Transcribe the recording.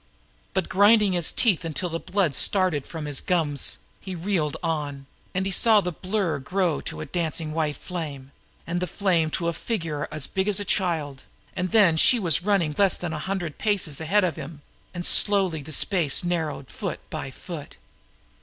But grinding his teeth until the blood started from his gums, he reeled on, and he saw the blur grow to a dancing white flame, and the flame to a figure big as a child; and then she was running less than a hundred paces ahead of him, and slowly the space narrowed, foot by foot.